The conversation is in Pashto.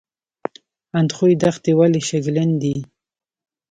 اندخوی دښتې ولې شګلن دي؟